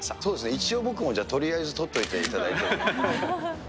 一応僕も、じゃあ、とりあえず撮っといていただいて。